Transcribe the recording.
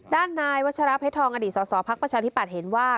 ด้านนายวัชราเพชรทองอดีตสอสอพักประชาธิปัตย์เห็นว่า